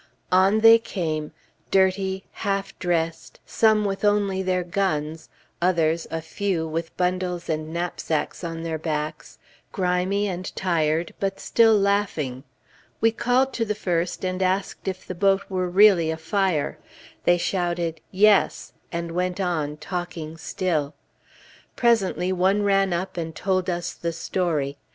On they came, dirty, half dressed, some with only their guns, others, a few, with bundles and knapsacks on their backs, grimy and tired, but still laughing. We called to the first, and asked if the boat were really afire; they shouted, "Yes," and went on, talking still. Presently one ran up and told us the story.